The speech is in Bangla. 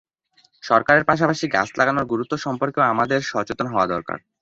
সরকারের পাশাপাশি গাছ লাগানোর গুরুত্ব সম্পর্কেও আমাদের সচেতন হওয়া দরকার।